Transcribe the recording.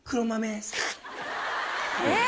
えっ！